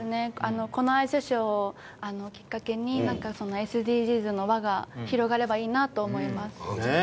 このアイスショーをきっかけにＳＤＧｓの輪が広がればいいなと思います。